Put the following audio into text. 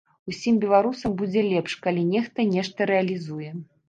Усім беларусам будзе лепш, калі нехта нешта рэалізуе.